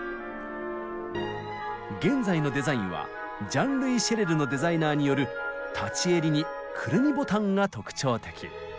現在のデザインはジャン・ルイ・シェレルのデザイナーによる立ち襟にくるみボタンが特徴的。